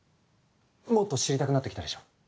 もっと知りたくなってきたでしょ？